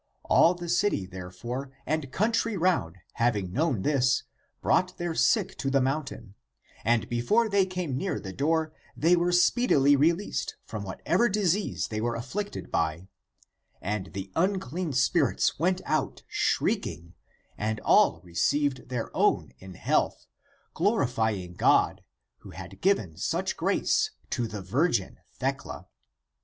All the city, therefore, and coun try round, having known this, brought their sick to the mountain; and before they came near the door they were speedily released from whatever disease they were afflicted by; and the unclean spirits went out shrieking, and all re ceived their own in health, glorifying God, who had given such grace to the virgin Thecla.